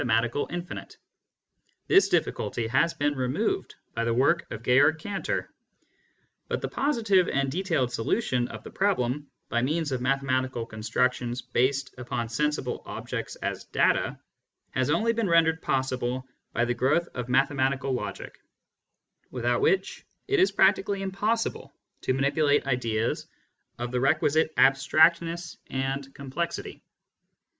matical infinite. This diflSculty has been removed by the work of Georg Cantor. But the positive and detailed solution of the problem by means of mathematical con structions based upon sensible objects as data has only been rendered possible by the growth of mathematical logic, without which it is practically impossible to mani pulate ideas of the requisite abstractness and complexity.